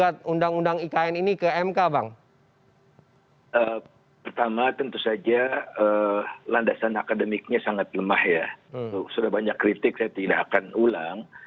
sudah banyak kritik saya tidak akan ulang